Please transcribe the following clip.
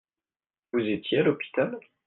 Vous étiez à l’hôpital ?